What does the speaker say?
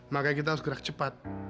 makanya kita harus gerak cepat